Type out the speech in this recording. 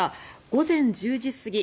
午前１０時すぎ